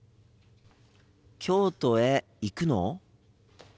京都へ行くの？